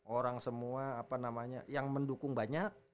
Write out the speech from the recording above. orang semua apa namanya yang mendukung banyak